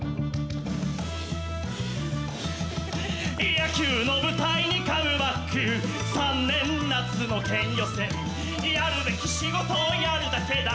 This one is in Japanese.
「野球の舞台にカムバック３年夏の県予選」「やるべき仕事をやるだけだ」